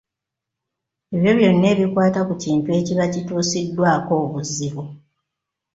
Ebyo byonna ebikwata ku kintu ekiba kituusiddwako obuzibu.